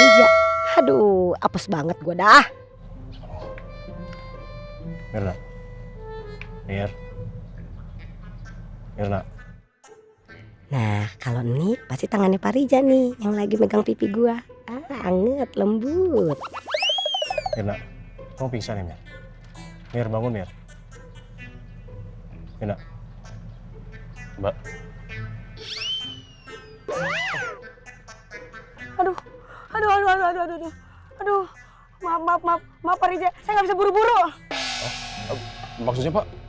enggak bakal aduh aduh aduh aduh maaf maaf maaf maaf rija saya bisa buru buru maksudnya pak